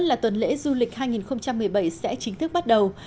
là tuần lễ du lịch hai nghìn một mươi bảy sẽ chính thức bắt đầu